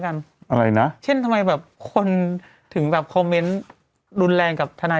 อะไรนะเช่นทำไมแบบคนถึงแบบคอมเมนต์รุนแรงกับทนาย